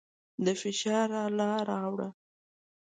د فشار اله راوړه.